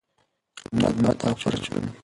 خدمت او پرچون